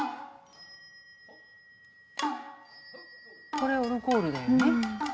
これオルゴールだよね。